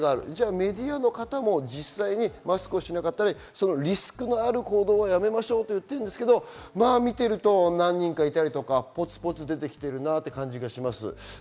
メディアの方もマスクをしなかったり、リスクのある行動はやめましょうと言っていますが、何人かいたり、ポツポツ出てきている感じがします。